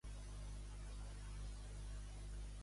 El Parlament Europeu està d'acord amb l'ascens de Selmayr?